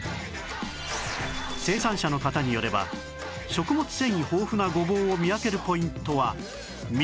生産者の方によれば食物繊維豊富なごぼうを見分けるポイントは３つ